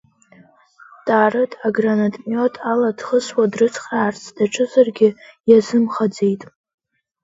Таарык агранатмиот ала дхысуа дрыцхраарц даҿызаргьы иазымхаӡеит.